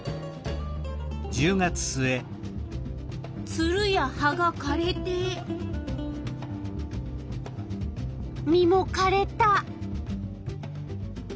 ツルや葉がかれて実もかれた。